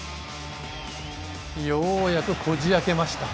ようやく、こじ開けました。